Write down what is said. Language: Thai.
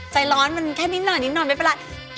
ใจร้อนมันแค่นิดหน่อยนิดหน่อยไม่เป็นไร